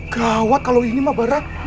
gawat kalau ini mabarak